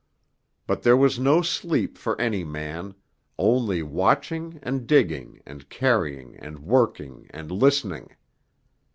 But there was no sleep for any man, only watching and digging and carrying and working and listening.